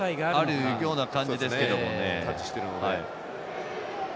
あるような感じですけどね。